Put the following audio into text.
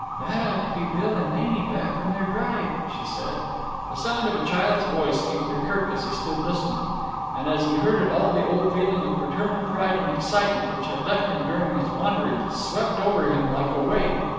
"That ought to be Bill and Mamie back from their drive," she said. The sound of a child's voice came to Kirk as he stood listening; and as he heard it all the old feeling of paternal pride and excitement, which had left him during his wanderings, swept over him like a wave.